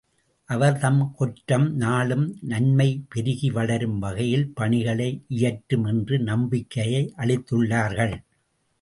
அவர் தம் கொற்றம், நாளும் நன்மைபெருகி வளரும் வகையில் பணிகளை இயற்றும் என்ற நம்பிக்கையை அளித்துள்ளார்கள்.